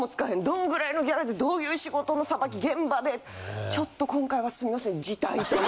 どんぐらいのギャラでどういう仕事の捌き現場でちょっと今回はすみません。